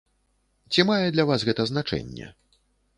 Ці мае для вас гэта значэнне?